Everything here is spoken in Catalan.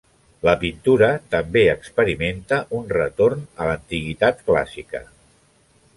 La pintura també experimenta un retorn a l'antiguitat clàssica.